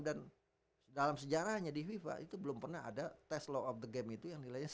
dan dalam sejarahnya di fifa itu belum pernah ada tes law of the game itu yang nilainya seratus